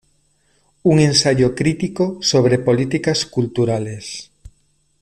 Un ensayo crítico sobre políticas culturales".